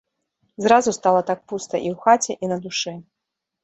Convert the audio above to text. Зразу стала так пуста і ў хаце, і на душы.